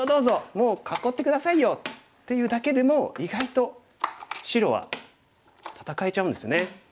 もう囲って下さいよ」っていうだけでも意外と白は戦えちゃうんですね。